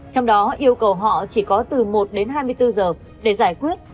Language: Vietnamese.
trong đó yêu cầu họ chỉ có từ một đến hai mươi bốn giờ để giải quyết